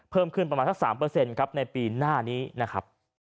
เพิ่มขึ้นประมาณสัก๓ครับในปีหน้านี้นะครับ